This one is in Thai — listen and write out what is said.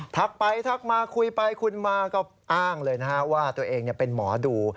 ไปทักมาคุยไปคุยมาก็อ้างเลยนะฮะว่าตัวเองเป็นหมอดู